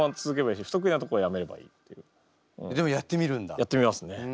やってみますね。